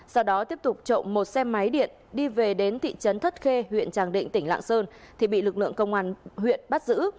sau đó tiếp tục trộm một xe máy điện đi về đến thị trấn thất khê huyện tràng định tỉnh lạng sơn thì bị lực lượng công an huyện bắt giữ